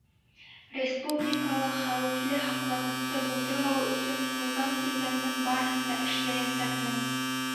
Республикала хәүефле һаҡлағысты булдырмау өсөн ҡулдан килгәндең барыһын да эшләйәсәкмен.